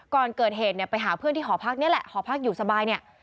ก่อนเกิดเหตุเนี่ยไปหาเพื่อนที่หอพักนี้แหละหอพักอยู่สบายเนี่ย